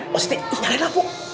pasti nyalain lampu